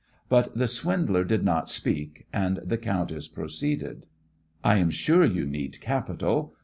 But the swindler did not speak, and the countess proceeded: "I am sure you need capital.